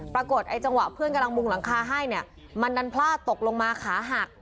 ปรากฏไอ้จังหวะเพื่อนกำลังมุงหลังคาให้เนี่ยมันดันพลาดตกลงมาขาหัก